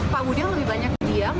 pak budian lebih banyak diam